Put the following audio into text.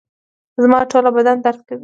زما ټوله بدن درد کوي